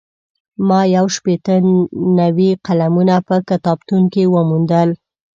ما یو شپېته نوي قلمونه په کتابتون کې وموندل.